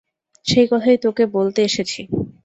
সেই কথাই তোকে বলতে এসেছি।